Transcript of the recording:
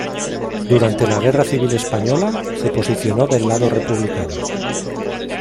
Durante la guerra civil española, se posicionó del lado republicano.